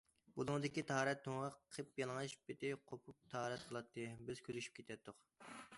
بۇلۇڭدىكى تاھارەت تۇڭىغا قىپيالىڭاچ پېتى قوپۇپ تاھارەت قىلاتتى، بىز كۈلۈشۈپ كېتەتتۇق.